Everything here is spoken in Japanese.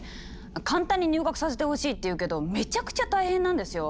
簡単に「入学させてほしい」って言うけどめちゃくちゃ大変なんですよ！